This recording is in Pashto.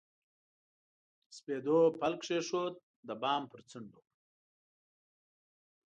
سپېدو پل کښېښود، د بام پر څنډو